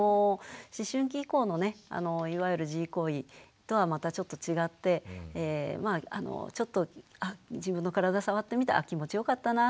思春期以降のねいわゆる自慰行為とはまたちょっと違ってまあちょっと自分の体触ってみて気持ちよかったな